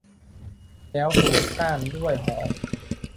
แล้วถูกต้านด้วยหอก !